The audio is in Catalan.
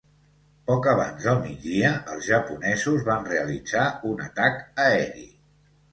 Poc abans del migdia, els japonesos van realitzar un atac aeri.